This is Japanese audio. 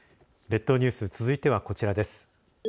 列島ニュース続いてはこちらです。